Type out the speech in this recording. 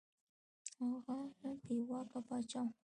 هغه بې واکه پاچا وو.